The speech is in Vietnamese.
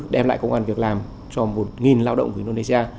đem lại công an việc làm cho một lao động của indonesia